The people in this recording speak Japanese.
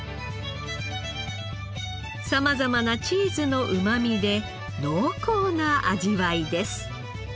様々なチーズのうまみで濃厚な味わいです。